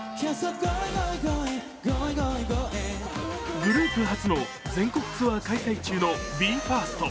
グループ初の全国ツアー開催中のＢＥ：ＦＩＲＳＴ。